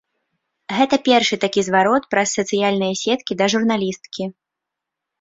Гэта першы такі зварот праз сацыяльныя сеткі да журналісткі.